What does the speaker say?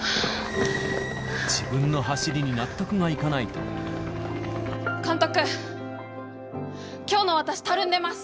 自分の走りに納得がいかない監督、きょうの私、たるんでます。